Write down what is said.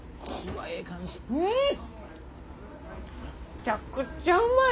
めちゃくちゃうまい。